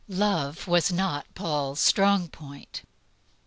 Love was not Paul's strong point.